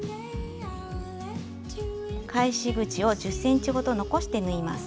返し口を１０ｃｍほど残して縫います。